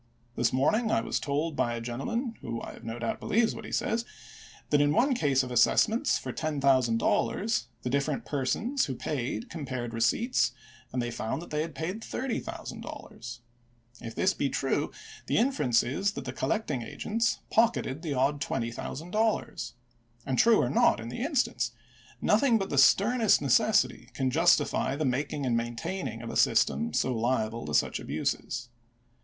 This morning I was told by a gentle man, who, I have no doubt, beheves what he says, that in one case of assessments for $10,000, the different persons who paid compared receipts, and found they had paid $30,000. If this be true, the inference is that the collect ing agents pocketed the odd twenty thousand dollars. And true or not in the instance, nothing but the sternest neces sity can justify the making and maintaining of a system so liable to such abuses.